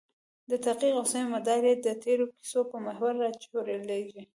د تحقیق او څېړنې مدار یې د تېرو کیسو پر محور راچورلېږي.